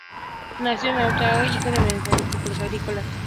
Nació en Ottawa, hijo de un vendedor de artículos agrícolas.